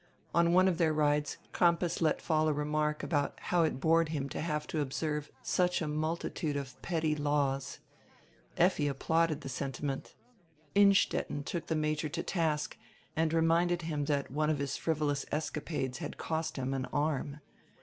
On one of their rides Crampas let fall a remark about how it bored him to have to observe such a multitude of petty laws. Effi applauded die sentiment, Innstetten took die Major to task and reminded him tiiat one of his frivolous escapades had cost him an arm.